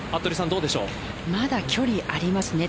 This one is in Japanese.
まだ距離ありますね。